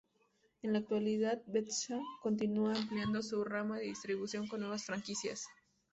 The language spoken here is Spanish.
En la actualidad, Bethesda continúa ampliando su rama de distribución con nuevas franquicias.